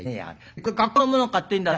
「これ学校のもの買っていいんだね？」。